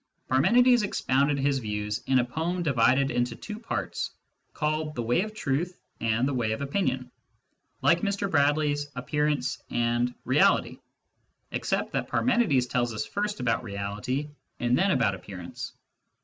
* Parmenides expounded his views in a poem divided into two parts, called " the way of truth " and " the way of opinion "— like Mr Bradley's " Appearance " and " Reality," except that Parmenides tells us first about reality and then about appearance.